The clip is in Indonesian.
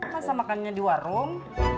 masa makannya di warung